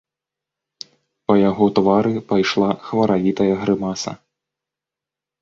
Па яго твары пайшла хваравітая грымаса.